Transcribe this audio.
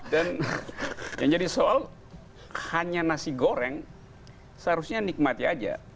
dan yang jadi soal hanya nasi goreng seharusnya nikmati aja